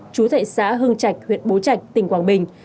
chú thệ xã hưng trạch huyện bố trạch tỉnh quảng bình